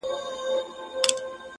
o و تاته د جنت حوري غلمان مبارک،